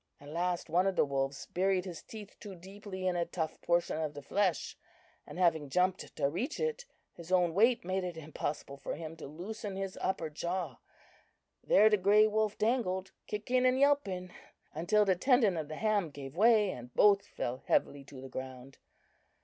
"At last one of the wolves buried his teeth too deeply in a tough portion of the flesh, and having jumped to reach it, his own weight made it impossible for him to loosen his upper jaw. There the grey wolf dangled, kicking and yelping, until the tendon of the ham gave way, and both fell heavily to the ground.